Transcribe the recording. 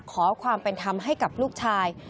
ขอความเป็นธรรมให้กับลูกชาย